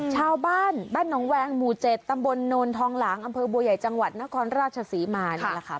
ชาวบ้านบ้านหนองแวงหมู่๗ตำบลโนนทองหลางอำเภอบัวใหญ่จังหวัดนครราชศรีมานี่แหละค่ะ